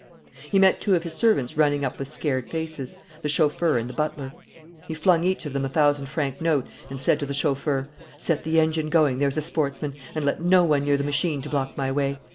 He met two of his servants running up with scared faces, the chauffeur and the butler. He flung each of them a thousand franc note and said to the chauffeur: "Set the engine going, there's a sportsman, and let no one near the machine to block my way.